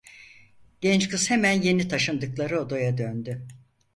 Genç kız hemen yeni taşındıkları odaya döndü.